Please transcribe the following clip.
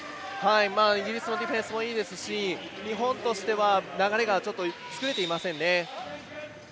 イギリスのディフェンスもいいですし日本としては流れがちょっと作れていませんね。